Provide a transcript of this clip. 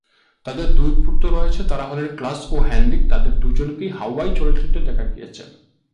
তাদের দুই পুত্র রয়েছে, তারা হলেন ক্লাস ও হেনরিক, তাদের দুজনকে "হাওয়াই" চলচ্চিত্রে দেখা গিয়েছিল।